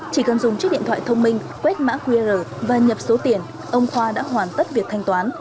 chỉ cần dùng chiếc điện thoại thông minh quét mã qr và nhập số tiền ông khoa đã hoàn tất việc thanh toán